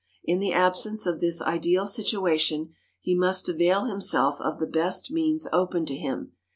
In the absence of this ideal situation, he must avail himself of the best means open to him.